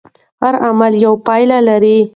هر عمل یوه پایله لري.